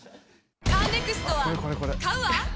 カーネクストは買うわ！